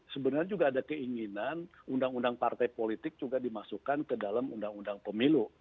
sebenarnya juga ada keinginan undang undang partai politik juga dimasukkan ke dalam undang undang pemilu